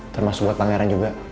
termasuk buat pangeran juga